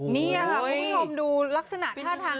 นี่ค่ะคุณผู้ชมดูลักษณะท่าทาง